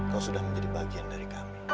kau sudah menjadi bagian dari kami